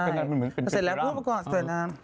เสร็จแล้วพูดมาก่อนเป็นเซราม